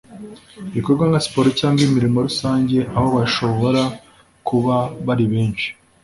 ibikorwa nka siporo cyangwa imirimo rusange aho bashobora kuba bari benshi